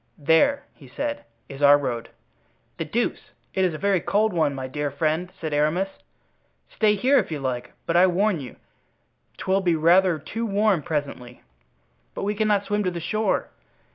"There," he said, "is our road." "The deuce! it is a very cold one, my dear friend," said Aramis. "Stay here, if you like, but I warn you 'twill be rather too warm presently." "But we cannot swim to the shore."